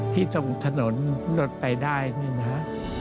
ที่ตรงถนนนดไปได้นะครับ